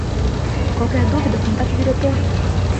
Qualquer dúvida, contate o diretor